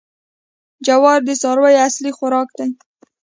جوار د څارویو اصلي خوراک دی.